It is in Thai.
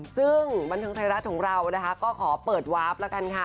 ซึ่งบันเทิงไทยรัฐของเรานะคะก็ขอเปิดวาร์ฟแล้วกันค่ะ